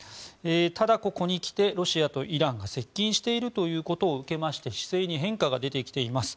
ただ、ここに来てロシアとイランが接近していることを受けて姿勢に変化が出てきています。